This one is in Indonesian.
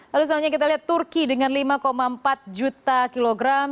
lalu selanjutnya kita lihat turki dengan lima empat juta kilogram